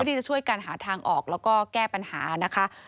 ที่จะช่วยกันหาทางออกแล้วก็แก้ปัญหานะคะ